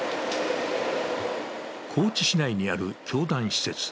高知市内にある教団施設。